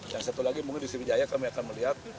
yang satu lagi mungkin di sriwijaya kami akan melihat